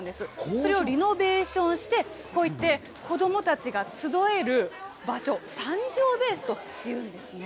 それをリノベーションして、こういって子どもたちが集える場所、三条ベースというんですね。